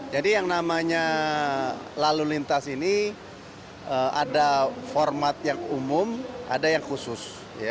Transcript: jadi yang namanya lalu lintas ini ada format yang umum ada yang khusus